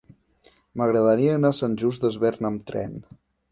M'agradaria anar a Sant Just Desvern amb tren.